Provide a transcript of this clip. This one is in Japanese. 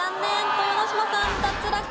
豊ノ島さん脱落です。